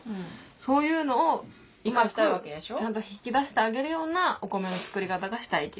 そういうのをうまくちゃんと引き出してあげるようなお米の作り方がしたい。